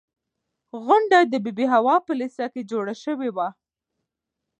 غونډه د بي بي حوا په لېسه کې جوړه شوې وه.